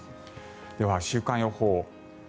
では、週間予報。